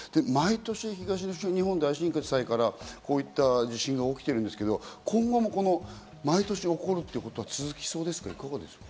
毎年、東日本大震災からこういった地震が起きているんですけど、今後も毎年起こるということは続きそうですか？